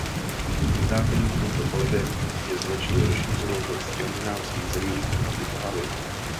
Vytápění tímto palivem je značně rozšířeno ve skandinávských zemích a v Itálii.